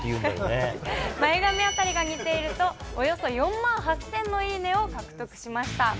前髪あたりが似ていると、およそ４万８０００のいいねを獲得しました。